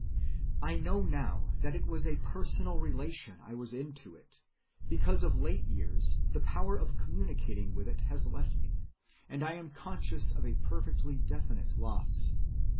I know now that it was a personal relation I was in to it, because of late years the power of communicating with it has left me, and I am conscious of a perfectly definite loss.